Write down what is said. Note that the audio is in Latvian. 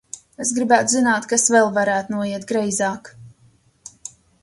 Es gribētu zināt, kas vēl varētu noiet greizāk!